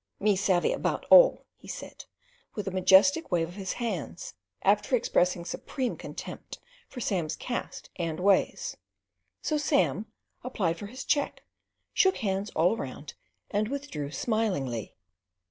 "Me savey all about," he said, with a majestic wave of his hands, after expressing supreme contempt for Sam's caste and ways; so Sam applied for his cheque, shook hands all round, and withdrew smilingly.